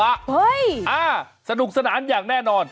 สนุกสนานอย่างแน่นอน